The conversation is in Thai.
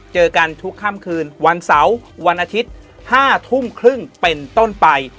เจอกันทุกค่ำคืนวันเสาร์วันอาทิตย์๕ทุ่มครึ่งเป็นต้นไป